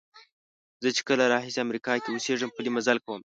زه چې کله راهیسې امریکا کې اوسېږم پلی مزل کوم.